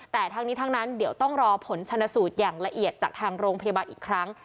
แต่ทั้งนี้ทั้งนั้นเดี๋ยวต้องรอผลชนสูตรอย่างละเอียดจากทางโรงพยาบาลอีกครั้ง